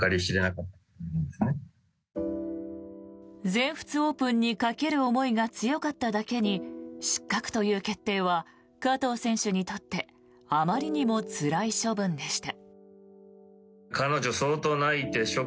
全仏オープンにかける思いが強かっただけに失格という決定は加藤選手にとってあまりにもつらい処分でした。